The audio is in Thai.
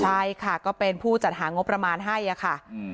ใช่ค่ะก็เป็นผู้จัดหางบประมาณให้ค่ะ